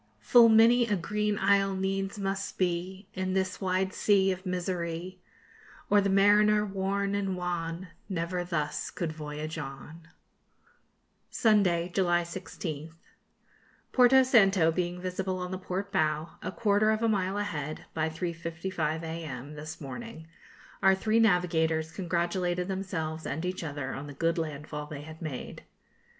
Full many a green isle needs must be In this wide sea of misery, Or the mariner worn and wan Never thus could voyage on. [Illustration: Our First View of Madeira] Sunday, July 16th. Porto Santo being visible on the port bow, a quarter of a mile ahead, by 3.55 a.m. this morning, our three navigators congratulated themselves and each other on the good land fall they had made.